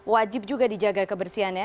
wajib juga dijaga kebersihan ya